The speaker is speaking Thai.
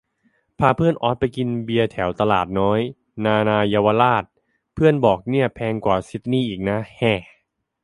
พาเพื่อนออสไปกินเบียร์แถวตลาดน้อย นานาเยาวราช เพื่อนบอก นี่แพงกว่าซิดนีย์อีกนะ แหะ